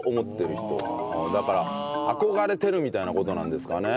だから憧れてるみたいな事なんですかね。